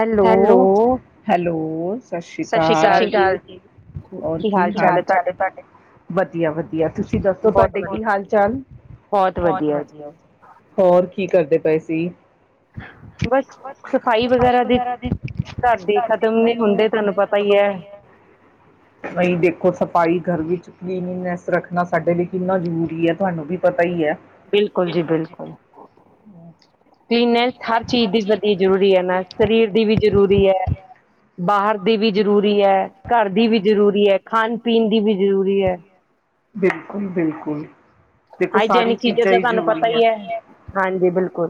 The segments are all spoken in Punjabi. ਹੈਲੋ। ਹੈਲੋ-ਹੈਲੋ ਸਤ ਸ਼੍ਰੀ ਸਤਿ ਸ੍ਰੀ ਅਕਾਲ, ਸਤ ਸੀ੍ ਜੀ, ਅਕਾਲ ਔਰ ਹਾਲ ਕੀ ਚਾਲ ਹੈ ਹਾਲ-ਚਾਲ ਲੇ ਤੁਹਾਡੇ, ਵਧਿਆ-ਵਧਿਆ, ਤੁਸੀਂ ਦੱਸੋ ਬਹੁਤ ਤੁਡੇ ਕੀ ਵਧੀਆ, ਹਾਲ-ਚਾਲ ਬਹੁਤ ਵਧੀਆ ਵਧਿਆ, ਜੀ। ਹੋਰ ਕੀ ਕਰਦੇ ਪਿ ਵੈਸੇ ਬਸ ਸਫਾਈ ਵਗੈਰਾ ਦੀ ਵਗੈਰਾ, ਮਮੀ ਘਰ ਦੀ ਕੋਲ ਖ਼ਤਮ ਨਹੀਂ ਨਹੀ ਹੁੰਦੇ ਹੁੰਦਾ ਤੁਹਾਨੂੰ ਤੂਹਾਨੂੰ ਪਤਾ ਹੀ ਹੈ ਬਾਈ ਦੇਖੋ ਸਬ ਭਾਈ, ਘਰ ਵਿੱਚ ਕਲੀਨਨੈਸ ਰੱਖਣਾ ਸਾਡੇ ਲਈ ਕਿੰਨਾ ਜ਼ਰੂਰੀ ਹੈ ਤੁਹਾਨੂੰ ਵੀ ਪਤਾ ਸਹੀ ਹੈ, ਬਿਲਕੁਲ ਜੀ ਕਲੀਨੈਸ ਹਰ ਚੀਜ਼ ਦੀ ਕਲੀਨੈਸ ਜ਼ਰਰੀ ਹੈ। ਇਹਦੀ ਵੀ ਜ਼ਰੂਰੀ ਹੈ, ਬਾਹਰ ਦੀ ਵੀ ਜ਼ਰੂਰੀ ਹੈ, ਘਰ ਦੀ ਵੀ ਜ਼ਰੂਰੀ ਹੈ, ਖਾਣ-ਪੀਣ ਦੀ ਵੀ ਜ਼ਰੂਰੀ ਹੈ। ਬਿਲਕੁਲ-ਬਿਲਕੁਲ। ਦੇਖੋ ਸਾਰੀ ਹਾਈਜੈਨਿਕ ਚੀਜ਼ਾਂ ਤਾਂ ਹੀ ਤੁਹਾਨੂੰ ਪਤਾ ਜ਼ਰੂਰੀ ਹੈ, ਹੀ ਹਾਂਜੀ ਬਿਲਕੁਲ।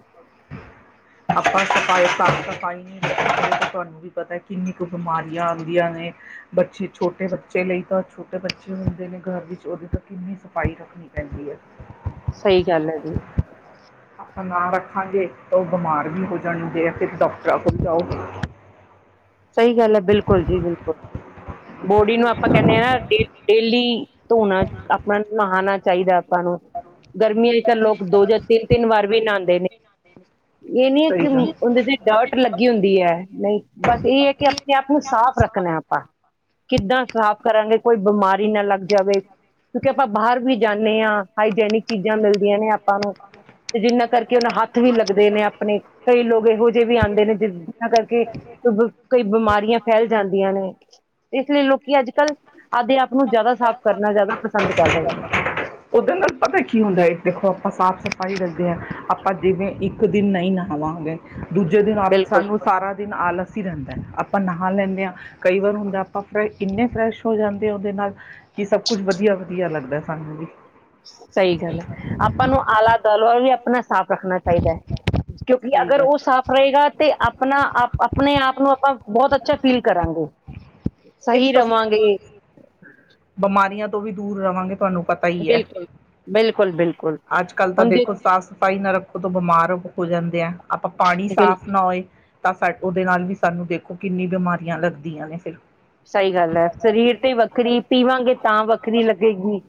ਆਪਾਂ ਸਫਾਈ ਸਾਫ਼- ਸਫ਼ਾਈ ਤੁਹਾਨੂੰ ਵੀ ਪਤਾ ਕਿੰਨੀ ਕੁ ਬਿਮਾਰੀਆਂ ਆਉਂਦੀਆਂ ਨੇ ਬੱਚੇ ਛੋਟੇ ਬੱਚੇ ਲਈ ਤਾਂ ਛੋਟੇ ਬੱਚੇ ਹੁੰਦੇ ਨੇ ਘਰ ਵਿੱਚ ਉਹਦੇ ਤੋਂ ਕਿੰਨੀ ਸਫਾਈ ਰੱਖਣੀ ਪੈਂਦੀ ਹੈ। ਸਹੀ ਗੱਲ ਹੈ ਜੀ। ਆਪਾਂ ਨਾ ਰੱਖਾਂਗੇ ਤਾਂ, ਉਹ ਬਿਮਾਰ ਵੀ ਹੋ ਜਾਣਗੇ, ਫਿਰ ਡਾਕਟਰ ਟਦੀ ਆਔ। ਸਹੀ ਗੱਲ ਹੈ, ਬਿਲਕੁਲ ਜੀ ਬਿਲਕੁਲ, ਬੋਡੀ ਨੂੰ ਆਪਾਂ ਕਹਿੰਦੇ ਹ ਨਾ ਡੇਲੀ ਧੋਣਾ, ਆਪਣਾ ਨੂੰ ਨਹਾਣਾ ਚਾਹੀਦਾ। ਲੋਕਾਂ ਨੂੰ ਗਰਮੀਆਂ ਚ ਤਾਂ ਲੋਕ ਦੋ ਜਾਂ ਤਿੰਨ- ਤਿੰਨ ਵਾਰ ਵੀ ਨਹਾਉਂਦੇ ਨੇ ਇਹ ਨੀ ਹੈ ਕਿ ਨਹੀਂ ਉਹਦੇ ਤੇ ਡਰਟ ਲੱਗੀ ਹੁੰਦੀ ਹੈ, ਨਹੀਂ ਇਹ ਹੈ ਕਿ ਆਪਣੇ ਆਪ ਨੂੰ ਸਾਫ਼ ਰੱਖਣਾ ਆਪਾਂ ਕਿੱਦਾਂ ਸਾਫ਼ ਕਰਾਂਗੇ ਕੋਈ ਬਿਮਾਰੀ ਨਾ ਲੱਗ ਜਾਵੇ ਕਿਉਂਕਿ ਆਪਾਂ ਬਾਹਰ ਵੀ ਜਾਂਦੇ ਹਾਂ ਅਨਹਾਈਜੈਨਿਕ ਚੀਜ਼ਾਂ ਮਿਲਦੀਆਂ ਨੇ ਆਪਾਂ ਨੂੰ ਤੇ ਜਿਹਨਾਂ ਕਰਕੇ ਉਹਨਾਂ ਹੱਥ ਵੀ ਲੱਗਦੇ ਨੇ ਆਪਣੇ ਕਈ ਲੋਕ ਇਹੋ ਜਿਹੇ ਵੀ ਆਉਂਦੇ ਨੇ ਜਿਨਾਂ ਕਰਕੇ ਕਈ ਬਿਮਾਰੀਆਂ ਫੈਲ ਜਾਂਦੀਆਂ ਨੇ ਇਸ ਲਈ ਲੋਕ ਅੱਜ ਕੱਲ੍ਹ ਉਹਦੇ ਨਾਲ ਪਤਾ ਕੀ ਹੁੰਦਾ ਹੈ ਦੇਖੋ ਆਪਾਂ ਸਾਫ਼ ਸਫ਼ਾਈ ਰੱਖਦੇ ਹਾਂ ਆਪਾਂ ਜਿਵੇਂ ਇੱਕ ਦਿਨ ਨਹੀਂ ਨਹਾਵਾਂਗੇ ਦੂਜੇ ਦਿਨ ਬਿਲਕੁਲ ਸਾਨੂੰ ਸਾਰਾ ਦਿਨ ਆਲਸ ਹੀ ਰਹਿੰਦਾ ਹੈ। ਆਪਾਂ ਨਹਾ ਲੈਂਦੇ ਹਾਂ ਕਈ ਵਾਰ ਹੁੰਦਾ ਆਪਾਂ ਫਰੈਸ਼ ਕਿੰਨੇ ਫਰੈਸ਼ ਹੋ ਜਾਂਦੇ ਆ ਉਹਦੇ ਨਾਲ ਕੀ ਸਭ ਕੁਛ ਵਧੀਆ ਵਧੀਆ ਲੱਗਦਾ ਸਾਨੂੰ ਵੀ ਸਹੀ ਗੱਲ ਹੈ। ਕਿਉਂਕਿ ਸਹੀ ਅਗਰ ਗੱਲ ਉਹ ਸਾਫ਼ ਰਹੇਗਾ ਤੇ ਆਪਣਾ ਆਪ ਆਪਣੇ ਆਪ ਨੂੰ ਆਪਾਂ ਬਹੁਤ ਅੱਛਾ ਫੀਲ ਕਰਾਂਗੇ ਇੱਕ ਤਾਂ ਬਿਮਾਰੀਆਂ ਤੋਂ ਵੀ ਦੂਰ ਰਵਾਂਗੇ ਤੁਹਾਨੂੰ ਪਤਾ ਹੀ ਬਿਲਕੁਲ ਬਿਲਕੁਲ ਬਿਲਕੁਲ ਹੁਣ ਦੇ ਪੂ ਜਾਂਦੇ ਆ ਆਪਾਂ ਪਾਣੀ ਬਿਲਕੁਲ ਸਾਫ਼ ਨਾ ਹੋਏ ਤਾਂ ਉਸ ਉਹਦੇ ਨਾਲ ਵੀ ਸਾਨੂੰ ਦੇਖੋ ਕਿੰਨੀਆਂ ਬਿਮਾਰੀਆਂ ਸਹੀ ਗੱਲ ਹੈ। ਸਰੀਰ ਤੇ ਵੱਖਰੀ ਪੀਵਾਂਗੇ ਤਾਂ ਵੱਖਰੀ ਲੱਗੇਗੀ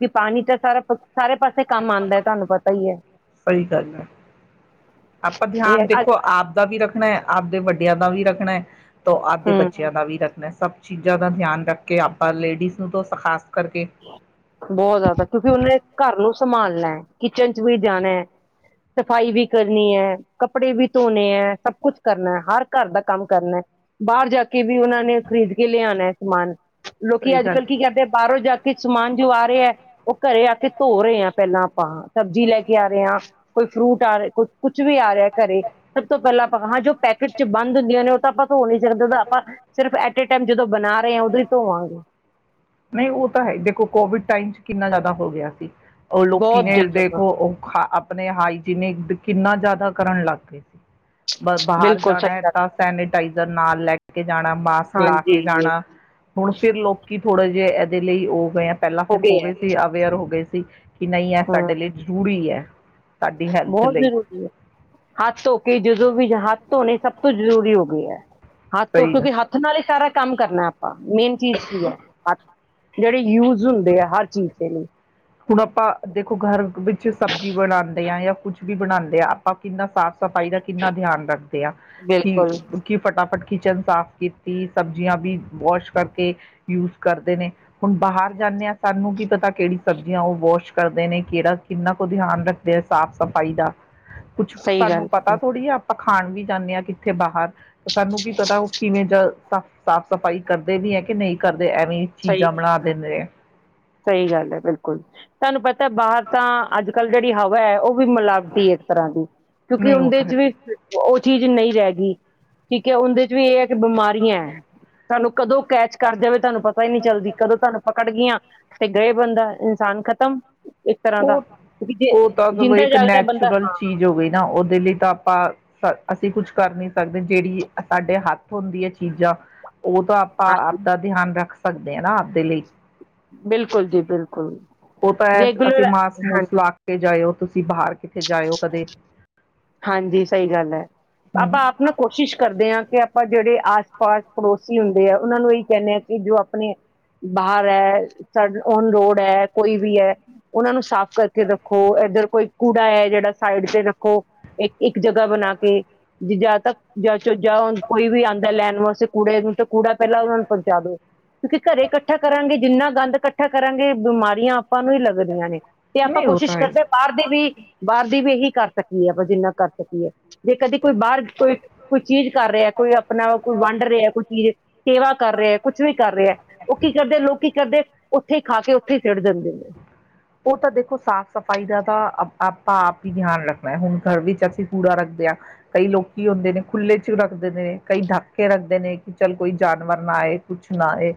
ਦੇਖੋ ਪਾਣੀ ਦੇ ਸਾਰੇ ਪਾਸੇ ਕੰਮ ਹੈ, ਆਉਂਦਾ ਤੁਹਾਨੂੰ ਪਤਾ ਪੱਤਾ ਹੀ ਹੈ ਹਾਂ ਸਹੀ ਗੱਲ ਹ ਗੱਲ ਹੈ ਇਹ ਅੱਜ ਜਿਆਦਾ ਵੀ ਰੱਖਣਾ ਤੋਂ ਆਪ ਦੇ ਹਮ ਬੱਚਿਆਂ ਦਾ ਵੀ ਸਭ ਚੀਜ਼ਾਂ ਦਾ ਧਿਆਨ ਰੱਖ ਕੇ ਲੇਡੀਜ ਨੂੰ ਬਹੁਤ ਖਾਸ ਕਰਕੇ ਬਹੁਤ ਜਿਆਦਾ ਕਿਉਂਕਿ ਉਹਨੇ ਘਰ ਨੂੰ ਸਮਾਨ ਲੈਣਾ, ਕਿਚਨ ਚ ਵੀ ਜਾਣਾ ਹੈ, ਸਫ਼ਾਈ ਵੀ ਕਰਨੀ ਹੈ, ਕੱਪੜੇ ਵੀ ਧੋਣੇ ਹੈ, ਸਭ ਕੁਛ ਕਰਨਾ ਹਰ ਘਰ ਦਾ ਕੰਮ ਕਰਨਾ ਬਾਹਰ ਜਾ ਕੇ ਵੀ ਉਹਨਾਂ ਨੇ ਖ਼ਰੀਦ ਕੇ ਲਿਆਉਣਾ ਹੈ ਸਮਾਨ ਸਹੀ ਲੋਕੀ ਅੱਜ ਗੱਲ ਕੱਲ ਕੀ ਕਰਦੇ ਬਾਹਰੋਂ ਜਦ ਪਿੱਛੋਂ ਸਮਾਨ ਜਿਹੜਾ ਆ ਰਿਹਾ ਹਾਂਜੀ ਉਹ ਘਰੇ ਆ ਕੇ ਧੋ ਰਹੇ ਆ ਪਹਿਲਾਂ ਪਾਣ ਸਬਜ਼ੀ ਲੈ ਕੇ ਆ ਰਹੇ ਹਾਂ ਕੋਈ ਫਰੂਟ ਆ ਰਿਹਾ, ਕੁਛ ਕੁਛ ਵੀ ਆ ਰਿਹਾ ਘਰੇ ਸਭ ਤੋਂ ਪਹਿਲਾਂ ਆਪਾਂ ਹਾਂ ਜੋ ਪੈਕੇਟ ਚ ਬੰਦ ਹੁੰਦੀਆਂ ਨੇ ਉਹ ਤਾਂ ਆਪਾਂ ਨਹੀਂ ਸਕਦਾ ਉਹਦਾ ਆਪਾਂ ਸਿਰਫ ਏਟੇ ਟਾਈਮ ਜਦੋਂ ਬਣਾ ਰਹੇ ਆ ਉਦੋਂ ਹੀ ਧੋਵਾਂਗੇ ਨਹੀਂ, ਉਹ ਤਾਂ ਹੈ ਦੇਖੋ ਕੋਵਿਡ ਟਾਈਮ ਚ ਕਿੰਨਾ ਜ਼ਿਆਦਾ ਹੋ ਗਿਆ ਸੀ। ਲੋਕੀ ਬਹੁਤ ਨੇ ਜ਼ਿਆਦਾ ਦੇਖੋ ਉਹ ਆਪਣੇ ਹਾਈਜੀਨਿਕ ਕਿੰਨਾ ਜ਼ਿਆਦਾ ਕਰਨ ਲੱਗ ਪਏ ਸੀ। ਬਸ ਬਾਹਰ ਬਿਲਕੁਲ ਜਾਣਾ ਸਹੀ ਹੈ ਗੱਲ ਤਾਂ ਸੈਨੇਟਾਈਜ਼ਰ ਨਾਲ ਲੈ ਕੇ ਜਾਣਾ ਮਾਸਕ ਲਾ ਕੇ ਹਾਂਜੀ ਜਾਣਾ ਹੁਣ ਫਿਰ ਲੋਕੀ ਜੇ ਇਹਦੇ ਲਈ ਉਹ ਗ ਪਹਿਲਾਂ ਹੋ ਸਿਰਫ ਹੈ ਕੋਵਿਡ ਪਹਿਲਾਂ ਤੇ ਹੋ ਗਏ ਸੀ ਅਵੇਅਰ ਹੋ ਗਏ ਸੀ ਤੇ ਕਿ ਨਹੀਂ ਇਹ ਹਾਂ ਸਾਡੇ ਲਈ ਜ਼ਰੂਰੀ ਹੈ। ਸਾਡੀ ਹੈਲਥ ਬਹੁਤ ਲਈ ਜ਼ਰੂਰੀ ਹੈ, ਹੱਥ ਧੋ ਕੇ ਜਦੋਂ ਵੀ ਹੱਥ ਧੋਣੇ ਸਭ ਤੋਂ ਜ਼ਰੂਰੀ ਹੋ ਗਈ ਹੈ। ਹੱਥ ਤੋਂ ਸਹੀ ਆ। ਕਿਉਂਕਿ ਹੱਥ ਨਾਲ ਹੀ ਸਾਰਾ ਕੰਮ ਕਰਨਾ ਆਪਾਂ ਮੇਨ ਚੀਜ਼ ਕੀ ਹੈ। ਹੱਥ ਜਿਹੜੇ ਯੂਜ ਹੁੰਦੇ ਆ ਹਰ ਚੀਜ਼ ਦੇ ਲਈ ਹੁਣ ਆਪਾਂ ਦੇਖੋ ਘਰ ਵਿੱਚ ਸਬਜ਼ੀ ਬਣਾਉਂਦੇ ਹਾਂ ਜਾਂ ਕੁਛ ਵੀ ਬਣਾਉਂਦੇ ਆ, ਆਪਾਂ ਕਿੰਨਾਕੁ ਸਾਫ਼ ਸਫ਼ਾਈ ਦਾ ਕਿੰਨਾ ਧਿਆਨ ਰੱਖਦੇ ਆ, ਕਿ ਬਿਲਕੁਲ ਕੀ ਫਟਾਫਟ ਕਿਚਨ ਸਾਫ਼ ਕੀਤੀ ਸਬਜ਼ੀਆਂ ਵੀ ਵੋਸ਼ ਕਰਕੇ ਯੂਜ ਕਰਦੇ ਨੇ ਹੁਣ ਬਾਹਰ ਜਾਂਦੇ ਹਾਂ ਸਾਨੂੰ ਕਿ ਪਤਾ ਕਿਹੜੀ ਸਬਜ਼ੀਆਂ ਉਹ ਵਾਸ਼ ਕਰਦੇ ਨੇ ਕਿਹੜਾ ਕਿੰਨਾ ਕੁ ਧਿਆਨ ਰੱਖਦੇ ਆ ਸਾਫ਼ ਸਫਾਈ ਦਾ ਕੁੱਛ ਸਹੀ ਗੱਲ ਸਾਨੂੰ ਹੈ ਪਤਾ ਜੀ ਥੋੜੀ ਆ ਆਪਾਂ ਖਾਣ ਵੀ ਜਾਂਦੇ ਹਾਂ, ਕਿੱਥੇ ਬਾਹਰ ਸਾਨੂੰ ਕੀ ਪਤਾ ਉਹ ਕਿਵੇਂ ਜਾ ਸਾ ਸਾਫ਼ ਸਫ਼ਾਈ ਕਰਦੇ ਵੀ ਹੈ ਕਿ ਨਹੀਂ ਕਰਦੇ? ਐਵੇਂ ਚੀਜ਼ਾਂ ਸਹੀ ਬਣਾ [unintelligible] ਦਿੰਦੇ ੲਏ ਸਹੀ ਗੱਲ ਹੈ, ਬਿਲਕੁਲ ਤੁਹਾਨੂੰ ਪਤਾ ਬਾਹਰ ਤਾਂ ਅੱਜ ਕੱਲ੍ਹ ਜਿਹੜੀ ਹਵਾ ਹੈ ਉਹ ਵੀ ਮਿਲਾਵਟੀ ਹੈ ਇੱਕ ਤਰ੍ਹਾਂ ਦੀ ਕਿਉਂਕਿ ਨਹੀਂ ਉਹ ਉਹਦੇ ਤਾਂ ਚ ਹੈ ਵੀ ਉਹ ਚੀਜ਼ ਨਹੀਂ ਰਹਿ ਗਈ ਠੀਕ ਹੈ, ਉਹਦੇ ਚ ਵੀ ਇਹ ਬਿਮਾਰੀਆਂ ਤੁਹਾਨੂੰ ਕਦੋਂ ਕੈਚ ਕਰ ਜਾਵੇ ਤੁਹਾਨੂੰ ਪਤਾ ਹੀ ਨਹੀਂ ਚੱਲਦੀ ਕਦੋਂ ਤੁਹਾਨੂੰ ਪਕੜ ਗਈਆਂ ਗਏ ਬੰਦਾ ਇਨਸਾਨ ਖਤਮ ਇੱਕ ਤਰ੍ਹਾਂ ਦਾ ਉਹ ਕਿਉਂਕਿ ਜੇ ਉਹ ਤਾਂ ਚਲੋ ਜਿੰਦਾ ਇੱਕ ਜਾਗਦਾ ਬੰਦਾ ਨੈਚੁਰਲ ਹਾਂ ਚੀਜ਼ ਹੋ ਗਈ ਨਾ ਉਹਦੇ ਲਈ ਤਾਂ ਆਪਾਂ ਅਸੀਂ ਕੁਛ ਕਰ ਨੀ ਸਕਦੇ ਜਿਹੜੀ ਸਾਡੇ ਹੱਥ ਹੁੰਦੀ ਹੈ ਚੀਜ਼ਾਂ ਉਹ ਤਾਂ ਆਪਾਂ ਹਾਂਜੀ ਆਪਦਾ ਧਿਆਨ ਰੱਖ ਸਕਦੇ ਆ ਨਾ ਆਪਦੇ ਲਈ ਬਿਲਕੁਲ ਜੀ ਬਿਲਕੁਲ ਉਹ ਤਾਂ ਐ ਦੇ ਅਸੀਂ ਮਾਸ ਮੂਸ ਲਾ ਕੇ ਜਾਇਓ ਤੁਸੀਂ ਬਾਹਰ ਕਿੱਥੇ ਜਾਇਓ ਕਦੇ ਹਾਂਜੀ ਸਹੀ ਗੱਲ ਹੈ ਹੂੰ। ਆਪਾਂ ਆਪ ਨਾ ਕੋਸ਼ਿਸ਼ ਕਰਦੇ ਹਾਂ ਕਿ ਆਪਾਂ ਜਿਹੜੇ ਆਸ ਪਾਸ ਪੜੋਸੀ ਹੁੰਦੇ ਆ ਉਹਨਾਂ ਨੂੰ ਇਹੀ ਕਹਿੰਦੇ ਹਾਂ ਕਿ ਜੋ ਆਪਣੇ ਬਾਹਰ ਹੈ ਓਨ ਰੋਡ ਹੈ ਕੋਈ ਵੀ ਹੈ ਉਹਨਾਂ ਨੂੰ ਸਾਫ ਕਰਕੇ ਰੱਖੋ ਇੱਧਰ ਕੋਈ ਕੂੜਾ ਹੈ ਜਿਹੜਾ ਸਾਈਡ ਤੇ ਰੱਖੋ ਇੱਕ ਇੱਕ ਜਗ੍ਹਾ ਬਣਾ ਕੇ ਜਾਂ ਤ ਜਾਂ ਕੋਈ ਵੀ ਆਉਂਦਾ ਲੈਣ ਵਾਸਤੇ ਕੂੜੇ ਨੂੰ ਤਾਂ ਕੂੜਾ ਪਹਿਲਾਂ ਉਹ ਨੂੰ ਪਹੁੰਚਾ ਦੋ ਕਿਉਂਕਿ ਘਰੇ ਇਕੱਠਾ ਕਰਾਂਗੇ ਜਿੰਨਾ ਗੰਦ ਇਕੱਠਾ ਕਰਾਂਗੇ ਬਿਮਾਰੀਆਂ ਆਪਾਂ ਨੂੰ ਹੀ ਲੱਗਦੀਆਂ ਨੇ ਤੇ ਆਪਾਂ ਨਹੀਂ ਉਹ ਤਾਂ ਕੋਸ਼ਿਸ਼ ਹੈ। ਕਰਦੇ ਹਾਂ ਬਾਹਰ ਦੇ ਵੀ ਬਾਹਰ ਦੀ ਵੀ ਇਹੀ ਕਰ ਸਕਦੀ ਹੈ ਜਿੰਨਾ ਕਰ ਸਕੀਏ ਜੇ ਕਦੇ ਕੋਈ ਬਾਹਰ ਕੋਈ ਕੋਈ ਚੀਜ਼ ਕਰ ਰਿਹਾ ਕੋਈ ਆਪਣਾ ਕੋਈ ਵੰਡ ਰਿਹਾ ਕੋਈ ਚੀਜ਼ ਸੇਵਾ ਕਰ ਰਿਹਾ ਕੁਛ ਵੀ ਕਰ ਰਿਹਾ ਉਹ ਕੀ ਕਰਦੇ ਲੋਕ ਕੀ ਕਰਦੇ ਉੱਥੇ ਖਾ ਕੇ ਉੱਥੇ ਹੀ ਚਿੜ ਦਿੰਦੇ ਨੇ ਉਹ ਤਾਂ ਦੇਖੋ ਸਾਫ਼ ਸਫ਼ਾਈ ਦਾ ਤਾਂ ਆਪਾਂ ਆਪ ਹੀ ਧਿਆਨ ਰੱਖਣਾ ਹੈ ਹੁਣ ਘਰ ਵਿੱਚ ਅਸੀਂ ਕੂੜਾ ਰੱਖਦੇ ਹਾਂ ਕਈ ਲੋਕੀ ਹੁੰਦੇ ਨੇ ਖੁੱਲ੍ਹੇ ਚ ਰੱਖਦੇ ਨੇ ਕਈ ਡਾਕੇ ਰੱਖਦੇ ਨੇ ਕਿ ਚੱਲ ਕੋਈ ਜਾਨਵਰ ਨਾ ਹੈਏ ਕੁਛ ਨਾ ਏ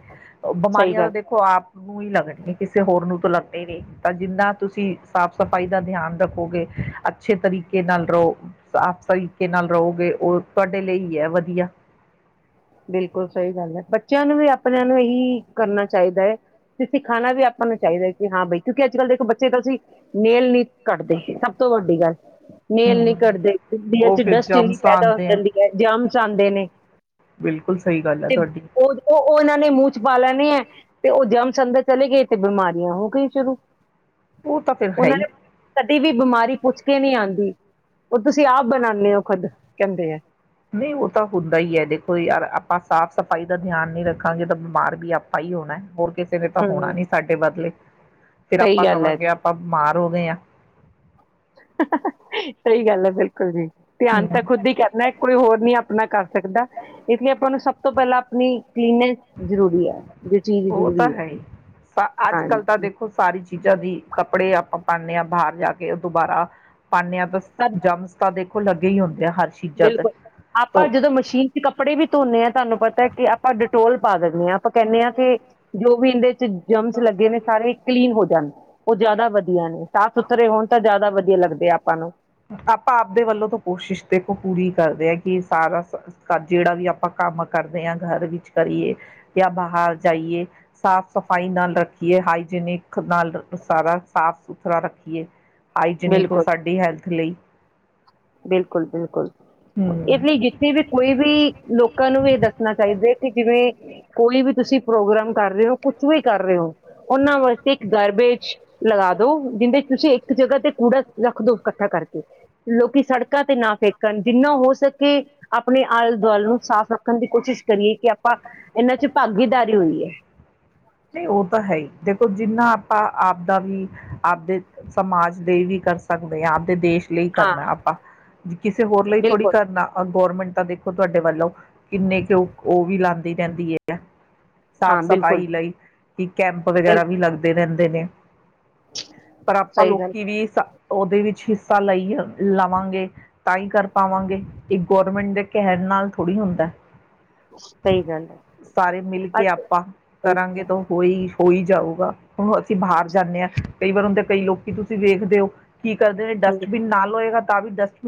ਸਹੀ ਬਿਮਾਰੀਆਂ ਦਾ ਗੱਲ ਦੇਖੋ ਆਪ ਹੀ ਲੱਗਣੀ ਕਿਸੇ ਹੋਰ ਨੂੰ ਤ ਲੱਗਦੇ ਨੇ ਤਾਂ ਜਿੰਨਾ ਤੁਸੀਂ ਸਾਫ਼ ਸਫ਼ਾਈ ਦਾ ਧਿਆਨ ਰੱਖੋਗੇ ਅੱਛੇ ਤਰੀਕੇ ਨਾਲ ਰਹੋ ਸਾਫ਼ ਤਰੀਕੇ ਨਾਲ ਰਹੋਗੇ ਉਹ ਤੁਹਾਡੇ ਲਈ ਹੀ ਹੈ ਵਧੀਆ ਬਿਲਕੁਲ ਸਹੀ ਗੱਲ ਹੈ ਬੱਚਿਆਂ ਨੂੰ ਵੀ ਆਪਣ ਨੂੰ ਇਹੀ ਕਰਨਾ ਚਾਹੀਦਾ ਹੈ ਤੇ ਸਿਖਾਉਣਾ ਵੀ ਆਪਾਂ ਨੂੰ ਚਾਹੀਦਾ ਹੈ ਕਿ ਹਾਂ ਬਾਈ ਕਿਉਂਕਿ ਅੱਜ ਕੱਲ੍ਹ ਦੇਖੋ ਬੱਚੇ ਤਾਂ ਤੁਸੀਂ ਮੇਲ ਨੀ ਘੱਟਦੇ ਸਭ ਤੋਂ ਵੱਡੀ ਗੱਲ ਨੇੇਲ ਨ ਹੂੰ ਕੱਟਦੇ ਚਡੀੀਆਂ ਉਹ ਚ ਫਿਰ ਡਸਟ ਇਨੀ ਜਮਸ ਪੈਦਾ ਹੋ ਆਂਦੇ ਜਾਂਦੀ ਹੈ ਜਾਮਸ ਆਉਂਦੇ ਨੇ ਬਿਲਕੁਲ ਸਹੀ ਗੱਲ ਹੈ ਤੇ ਤੁਹਾਡੀ ਉਹ ਉਹ ਇਹਨਾਂ ਨੇ ਮੂੰਹ ਚ ਪਾ ਲੈਣੇ ਹੈ ਤੇ ਉਹ ਜਮ ਸੰਦਰ ਚਲੇ ਗਏ ਤੇ ਬਿਮਾਰੀਆਂ ਹੋ ਗਈ ਸ਼ੁਰੂ ਉਹ ਤਾਂ ਫਿਰ ਹੈ ਉਹਨਾਂ ਹੀ ਨੇ ਵੀ ਬਿਮਾਰੀ ਪੁੱਛ ਕੇ ਨਹੀਂ ਆਉਂਦੀ ਉਹ ਤੁਸੀਂ ਆਪ ਬਣਾਉਂਦੇ ਹੋ ਖੁਦ ਕਹਿੰਦੇ ਆ ਨਹੀਂ ਉਹ ਤਾਂ ਹੁੰਦਾ ਹੀ ਹੈ ਦੇਖੋ ਯਾਰ ਆਪਾਂ ਸਾਫ਼ ਸਫ਼ਾਈ ਦਾ ਧਿਆਨ ਨੀ ਰੱਖਾਂਗੇ ਤਾਂ ਬਿਮਾਰ ਵੀ ਆਪਾਂ ਹੀ ਹੋਣਾ ਹੋਰ ਕਿਸੇ ਨੇ ਤਾਂ ਹਮ ਹੋਣਾ ਨੀ ਸਾਡੇ ਬਦਲੇ ਫਿਰ ਸਹੀ ਆਪਾਂ ਗੱਲ ਹੈ ਕਵਾਂਗੇ ਆਪਾਂ ਮਾਰ ਰੋ ਗਆਂ ਸਹੀ ਗੱਲ ਹੈ ਬਿਲਕੁਲ ਜੀ ਧਿਆਨ ਤਾਂ ਹਮ ਖੁਦ ਹੀ ਕਹਿੰਦਾ ਕੋਈ ਹੋਰ ਨੀ ਆਪ ਅਪਨਾ ਕਰ ਸਕਦਾ ਇਸ ਲਈ ਆਪਾਂ ਨੂੰ ਸਭ ਤੋਂ ਪਹਿਲਾਂ ਆਪਣੀ, ਕਲੀਨੈਸ ਜ਼ਰੂਰੀ ਹੈ ਜੋ ਚੀਜ਼ ਉਹ ਤਾਂ ਜ਼ਰੂਰੀ ਹੈ ਹੀ ਅੱਜ ਕੱਲ ਤਾਂ ਹਾਂਜੀ ਦੇਖੋ ਸਾਰੀ ਚੀਜ਼ਾਂ ਦੀ ਕੱਪੜੇ ਆਪਾਂ ਪਾਦੇ ਆਾਂ ਬਾਹਰ ਜਾ ਕੇ ਉਹ ਦੁਬਾਰਾ ਪਾਉਂਨੇ ਆ ਬਸ ਸਭ ਜਮਸਤਾ ਦੇ ਫੁੱਲ ਲੱਗੇ ਹੀ ਹੁੰਦੇ ਆ ਹਰ ਚੀਜ਼ਾਂ ਤੇ ਬਿਲਕੁਲ ਆਪਾਂ ਤ ਜਦੋਂ ਮਸ਼ੀਨ ਚ ਕੱਪੜੇ ਵੀ ਧੋਂਦੇ ਹਾਂ ਤੁਹਾਨੂੰ ਪਤਾ ਕਿ ਆਪਾਂ ਡਿਟੋਲ ਪਾ ਦਦੇ ਆਾਂ। ਆਪਾਂ ਕਹਿੰਦੇ ਹਾਂ ਕਿ ਜੋ ਵੀ ਇਹਦੇ ਜਰਮ੍ਸ ਲੱਗੇ ਨੇ ਸਾਰੇ ਕਲੀਨ ਹੋ ਜਾਣ ਉਹ ਜ਼ਿਆਦਾ ਵਧੀਆ ਨੇ ਸਾਫ਼ ਸੁਥਰੇ ਹੋਣ ਤਾਂ ਜ਼ਿਆਦਾ ਵਧੀਆ ਲੱਗਦੇ ਆਪਾਂ ਨੂੰ ਵੱਲੋਂ ਤਾਂ ਕੋਸ਼ਿਸ਼ ਦੇਖੋ ਪੂਰੀ ਕਰਦੇ ਆ ਕਿ ਸਾਰਾ ਜਿਹੜਾ ਵੀ ਆਪਾਂ ਕੰਮ ਕਰਦੇ ਆਂ ਘਰ ਵਿੱਚ ਅ। ਆਪਾ ਅਪ ਦੇ ਆਪਾਂ ਅਪਣੇ ਵਾਲੇ ਤੇ ਕੋਮਿਮ਼ ਕਰੀਏ ਜਾਂ ਬਹਾਲ ਜਾਈਏ ਸਾਫ ਸਫਾਈ ਨਾਲ ਰੱਖੀਏ ਹਾਈਜੀਨਿਕ ਨਾਲ ਪਸਾਰਾ ਸਾਫ ਸੁਥਰਾ ਰੱਖੀਏ ਹਾਈਜੀਨਿਕ ਹੋ ਸਾਡੀ ਹੈਲਥ ਬਿਲਕੁਲ-ਬਿਲਕੁਲ ਇਹ ਹਮ ਲਈ ਜਿੱਥੇ ਵੀ ਕੋਈ ਵੀ ਲੋਕਾਂ ਨੂੰ ਇਹ ਦੱਸਣਾ ਚਾਹੀਦਾ ਹੈ ਕਿ ਜਿਵੇਂ ਕੋਈ ਵੀ ਤੁਸੀਂ ਪ੍ਰੋਗਰਾਮ ਕਰ ਰਹੇ ਹੋ ਕੁਛ ਵੀ ਕਰ ਰਹੇ ਹੋ ਉਹਨਾਂ ਵਾਸਤੇ ਇੱਕ ਗਾਰਬੇਜ ਲਗਾ ਦੋ ਜਿੰਹਦੇ ਚ ਤੁਸੀਂ ਇੱਕ ਇੱਕ ਜਗ੍ਹਾ ਤੇ ਕੂੜਾ ਰੱਖ ਦੋ ਇਕੱਠਾ ਕਰਕੇ ਲੋਕੀ ਸੜਕਾਂ ਤੇ ਨਾ ਫੇਕਣ ਜਿੰਨਾ ਹੋ ਸਕੇ ਆਪਣੇ ਆਲੇ ਦੁਆਲੇ ਨੂੰ ਸਾਫ਼ ਰੱਖਣ ਦੀ ਕੋਸ਼ਿਸ਼ ਕਰੀਏ ਕਿ ਆਪਾਂ ਇਹਨਾਂ ਚ ਭਾਗੀਦਾਰੀ ਹੋਂਦੀ ਹੈ ਨਹੀਂ ਉਹ ਤਾਂ ਹੈ ਹੀ ਦੇਖੋ ਜਿੰਨਾ ਆਪਾਂ ਆਪਦਾ ਵੀ ਆਪਦੇ ਸਮਾਜ ਲਈ ਵੀ ਕਰ ਸਕਦੇ ਹਾਂ ਆਪਦੇ ਦੇਸ਼ ਲਈ ਹਾਂ ਕਰਨਾ ਆਪਾਂ ਜੇ ਕਿਸੇ ਹੋਰ ਲਈ ਥੋੜੀ ਬਿਲਕੁਲ ਕਰਨਾ ਗੌਰਮੈਂਟ ਤਾਂ ਦੇਖੋ ਤੁਹਾਡੇ ਵੱਲੋਂ ਕਿੰਨੇ ਕੁ ਉਹ-ਉਹ ਵੀ ਲਾਉਂਦੀ ਰਹਿੰਦੀ ਹੈ ਆ ਸਾਫ਼ ਹਾਂ ਬਿਲਕੁਲ ਸਫ਼ਾਈ ਲਈ ਕਿ ਕੈਂਪ ਵਗੈਰਾ ਬਿਲਕੁਲ ਵੀ ਲੱਗਦੇ ਰਹਿੰਦੇ ਨੇ ਪਰ ਆਪਾਂ ਸਹੀ ਗੱਲ ਲੋਕੀ ਵੀ ਉਹਦੇ ਵਿੱਚ ਹਿੱਸਾ ਲਈ ਲਵਾਂਗੇ ਤਾਂ ਹੀ ਕਰ ਪਾਵਾਂਗੇ, ਇਹ ਗੌਰਮੈਂਟ ਦੇ ਕਹਿਣ ਨਾਲ ਥੋੜ੍ਹੀ ਹੁੰਦਾ ਸਹੀ ਗੱਲ ਹੈ ਸਾਰੇ ਮਿਲ ਕੇ ਅੱਜ ਆਪਾਂ ਕਰਾਂਗੇ ਤਾਂ ਹੋਈ ਹੋਈ ਜਾਊਗਾ ਹੁਣ ਅਸੀ ਬਾਹਰ ਜਾਨੇ ਹਾਂ ਕਈ ਵਾਰ ਹੁੰਦੇ ਕਈ ਲੋਕੀ ਤੁਸੀਂ ਵੇਖਦੇ ਹੋ ਕੀ ਕਰਦੇ ਨੇ ਹੈ। ਡਸਟਬਿਨ ਨਾਲ ਹੋਏਗਾ ਤਾਂ ਵੀ ਦਸਵੀ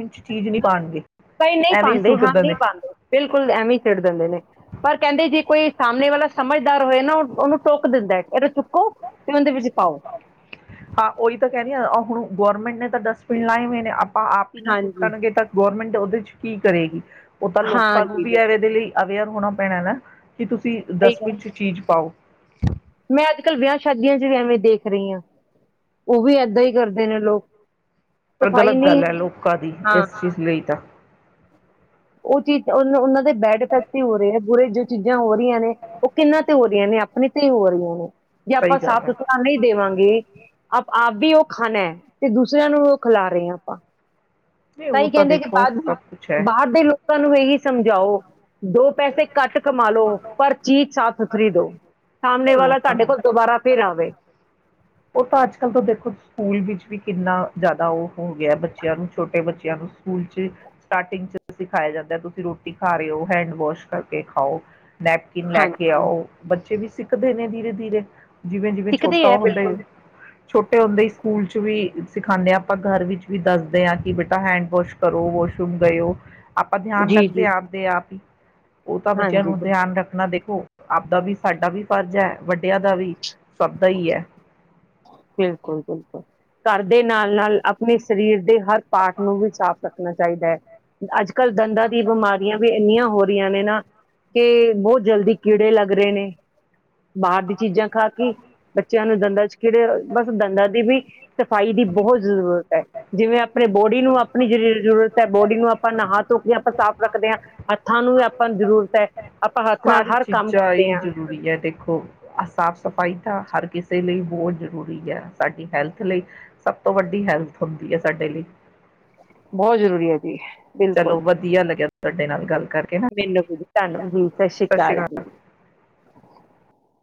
ਕਈ ਨਹੀਂ ਹੀ ਪਾਉਂਦੇ ਸੁੱਟ ਹਾਂ ਨਹੀਂ ਦਿੰਦੇ ਪਾਉਂਦੇ ਬਿਲਕੁਲ, ਐਵੇਂ ਸਿੱਟ ਦਿੰਦੇ ਨੇ ਪਰ ਕਹਿੰਦੇ ਜੇ ਕੋਈ ਸਾਹਮਣੇ ਵਾਲਾ ਸਮਝਦਾਰ ਹੋਏ ਨਾ ਉਹਨੂੰ ਟੋਕ ਦਿੰਦਾ ਇਥੋਂ ਚੁੱਕੋ ਕਿ ਉਹਦੇ ਵਿੱਚ ਪਾਓ ਹਾਂ ਉਹੀ ਤਾਂ ਕਹਿ ਰੀ ਆ ਹੁਣ ਗੌਰਮੈਂਟ ਨੇ ਤਾਂ ਡਸਟਬਿਨ ਲਾਏ ਹੋਏ ਨੇ ਆਪਾਂ ਆਪ ਹੀ ਨਾ ਹਾਂਜੀ ਸੁੱਟਣਗੇ ਤਾਂ ਗੌਰਮੈਂਟ ਉਹਦੇ ਚ ਕੀ ਕਰੇਗੀ ਉਹ ਤਾਂ ਲੋਕਾਂ ਨੂੰ ਹਾਂਜੀ ਵੀ ਐਵੇ ਬਿਲਕੁਲ ਇਹਦੇ ਲਈ ਅਵੇਅਰ ਹੋਣਾ ਪੈਣਾ ਨਾ ਕੀ ਤੁਸੀਂ ਸਹੀ ਗੱਲ ਡਸਟਬਿਨ ਚ ਚੀਜ਼ ਪਾਓ [unintelligible] ਮੈਂ ਅੱਜ-ਕੱਲ ਵਿਆਹ ਸ਼ਾਦੀਆਂ ਚ ਵੀ ਐਵੇਂ ਦੇਖ ਰਹੀ ਹਾਂ, ਉਹ ਵੀ ਏਦਾਂ ਹੀ ਕਰਦੇ ਨੇ ਲੋਕ ਪਰ ਸਫਾਈ ਗ਼ਲਤ ਨਹੀਂ ਗੱਲ ਹੈ ਲੋਕਾਂ ਦੀ ਹਾਂ ਇਸ ਚੀਜ਼ ਲਈ ਤਾਂ ਉਹ ਚੀਜ਼ ਉਹਨਾਂ ਦੇ ਬੈਡ ਇਫੈਕਟ ਹੀ ਹੋ ਰਹੇ ਹੈ। ਬੁਰੇ ਜੋ ਚੀਜ਼ਾਂ ਹੋ ਰਹੀਆਂ ਨੇ ਉਹ ਕਿਹਨਾਂ ਤੇ ਹੋ ਰਹੀਆਂ ਨੇ ਆਪਣੇ ਤੇ ਹੋ ਰਹੀਆਂ ਨੇ ਜੇ ਸਹੀ ਆਪਾਂ ਗੱਲ ਸਾਫ਼ ਹੈ। ਸੁਥਰਾ ਨਹੀਂ ਦੇਵਾਂਗੇ ਆਪ ਆਪ ਵੀ ਉਹ ਖਾਣਾ ਹੈ, ਤੇ ਦੂਸਰਿਆਂ ਨੂੰ ਉਹ ਖਿਲਾ ਰਹੇ ਆ ਆਪਾਂ ਨਹੀਂ ਉਹ ਤਾਂਹੀ ਤਾਂ ਕਹਿੰਦੇ ਕਿ ਦੇਖੋ ਬਾਅਦ, ਸਭ ਕੁਛ ਹੈ ਬਾਹਰ ਦੇ ਲੋਕ ਤੁਹਾਨੂੰ ਇਹੀ ਸਮਝਾਓ ਦੋ ਪੈਸੇ ਘੱਟ ਕਮਾ ਲੋ ਪਰ ਚੀਜ਼ ਸਾਫ਼ ਸੁਥਰੀ ਦਉ, ਸਾਹਮਣੇ ਨਹੀਂ ਉਹ ਵਾਲਾ ਤਾਂ ਤੁਹਾਡੇ ਕੋਲ ਹੈ। ਦੁਬਾਰਾ ਫਿਰ ਆਵੇ ਉਹ ਤਾਂ ਅੱਜ ਕੱਲ੍ਹ ਤਾਂ ਦੇਖੋ ਸਕੂਲ ਵਿੱਚ ਵੀ ਕਿੰਨਾ ਜ਼ਿਆਦਾ ਉਹ ਹੋ ਗਿਆ ਬੱਚਿਆਂ ਨੂੰ ਛੋਟੇ ਬੱਚਿਆਂ ਨੂੰ ਸਕੂਲ ਚ ਸਟਾਰਟਿੰਗ ਚ ਸਿਖਾਇਆ ਜਾਂਦਾ ਤੁਸੀਂ ਰੋਟੀ ਖਾ ਰਹੇ ਹੋ, ਹੈਂਡਵੋਵਾਸ਼ - ਕੁਛ ਕਰ ਕੇ ਖਾਓ ਨੈਪਕਿਨ ਲੈ ਕੇ ਹਾਂਜੀ ਆਓ ਬੱਚੇ ਵੀ ਸਿੱਖਦੇ ਨੇ ਧੀਰੇ ਧੀਰੇ ਜਿਵੇਂ ਜਿਵੇਂ ਸਿੱਖਦੇ ਛੋਟਾ ਹੈ ਹੁੰਦਾ ਬਿਲਕੁਲ ਛੋਟੇ ਹੁੰਦੇ ਹੀ ਸਕੂਲ ਚ ਵੀ ਸਿਖਾਉਂਦੇ ਹਾਂ ਆਪਾਂ ਘਰ ਵਿੱਚ ਵੀ ਦੱਸਦੇ ਹਾਂ ਕਿ ਬੇਟਾ ਹੈਂਡ ਵਾਸ਼ ਕਰੋ ਵਾਸ਼ਰੂਮ ਗਏ ਔ ਆਪਾਂ ਧਿਆਨ ਜੀ ਰੱਖਦੇ ਜੀ ਹਾਂ ਆਪਦੇ ਆਪ ਹੀ ਉਹ ਤਾਂ ਬੱਚਿਆਂ ਹਾਂਜੀ ਨੂੰ ਬਿਲ- ਧਿਆਨ ਰੱਖਣਾ ਦੇਖ ਆਪਦਾ ਵੀ ਸਾਡਾ ਵੀ ਫਰਜ਼ ਹੈ ਵੱਡਿਆਂ ਦਾ ਵੀ ਸਭ ਦਾ ਹੀ ਹੈ। ਬਿਲਕੁਲ-ਬਿਲਕੁਲ, ਘਰ ਦੇ ਨਾਲ-ਨਾਲ ਆਪਣੇ ਸਰੀਰ ਦੇ, ਹਰ ਪਾਠ ਨੂੰ ਵੀ ਸਾਫ਼ ਰੱਖ ਣਾ ਚਾਹੀਦਾ ਹੈ ਅੱਜ, ਕੱਲ ਦੰਦਾਂ ਦੀ ਬਿਮਾਰੀਆਂ ਵੀ ਇੰਨੀਆਂ ਹੋਰ, ਨੇ ਨਾ ਕਿ ਬਹੁਤ ਜਲਦੀ ਕੀੜੇ ਲੱਗ ਰਹੇ ਨੇ, ਬਾਹਰ ਦੀ ਆਪ ਚੀਜ਼ਾਂ ਖਾ ਦਾ ਕੇ, ਵੀ ਬੱਚਿਆਂ ਨੂੰ ਦੰਦਾਂ ਚ ਖੇੜੇ ਬਸ ਦੰਦਾਂ ਦੀ ਵੀ ਸਫ਼ਾਈ ਦੀ ਬਹੁਤ ਜ਼ਰੂਰਤ ਹੈ ਜਿਵੇਂ ਆਪਣੇ ਬੋਡੀ ਨੂੰ ਆਪਣੀ ਜਿਹੜੀ ਜ਼ਰੂਰਤ ਹੈ, ਬੋਡੀ ਨੂੰ ਆਪਾਂ ਨਹਾ ਧੋ ਕੇ ਆਪਾਂ ਸਾਫ਼ ਰੱਖਦੇ ਹਾਂ ਹੱਥਾਂ ਨੂੰ ਵੀ ਆਪਾਂ ਨੂੰ ਜ਼ਰੂਰਤ ਹੈ ਆਪਾਂ ਹੱਥ ਨਾਲ ਸਾਰੀ ਹਰ ਕੰਮ ਚੀਜ਼ਾਂ ਕਰਦੇ ਹੀ ਹਾਂ ਜ਼ਰੂਰੀ ਹੈ, ਦੇਖੋ ਸਾਫ਼ ਸਫ਼ਾਈ ਹਰ ਕਿਸੇ ਲਈ ਬਹੁਤ ਜ਼ਰੂਰੀ ਹੈ, ਸਾਡੀ ਹੈਲਥ ਲਈ ਸਭ ਤੋਂ ਵੱਡੀ ਹੈਲਥ ਹੁੰਦੀ ਹੈ, ਸਾਡੇ ਲਈ ਬਹੁਤ ਜ਼ਰੂਰੀ ਹੈ। ਜੀ ਬਿਲਕੁਲ ਚਲੋ ਵਧੀਆ ਲੱਗਿਆ। ਸਾਡੇ ਨਾਲ ਗੱਲ ਕਰਕੇ ਨਾ ਮੈਨੂੰ ਵੀ ਤਾਨੂੰ ਜੀ ਸਤਿ ਸ੍ਰੀ ਅਕਾਲ ਜੀ,